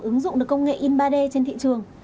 ứng dụng được công nghệ in ba d trên thị trường